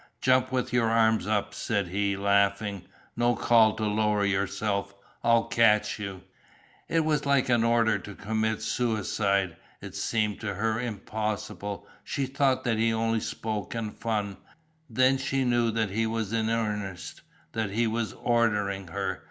"Jump with your arms up," said he, laughing, "no call to lower yourself. I'll catch you." It was like an order to commit suicide. It seemed to her impossible, she thought that he only spoke in fun, then she knew that he was in earnest, that he was ordering her.